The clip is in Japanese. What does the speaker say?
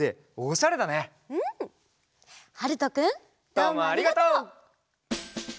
どうもありがとう！